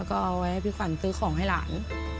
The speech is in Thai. ก็เอาไว้ให้พี่ขวัญซื้อของให้หลาน